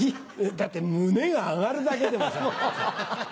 だって胸が上がるだけでもさ。